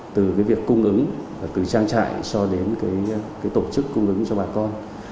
từ việc cung ứng từ trang trại cho đến tổ chức cung ứng cho bà con